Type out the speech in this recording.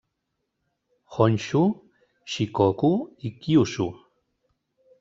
Honshu, Shikoku i Kyushu.